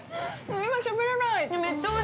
◆今しゃべれない。